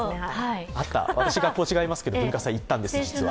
私、学校違いますけど、文化祭行ったんですよ、実は。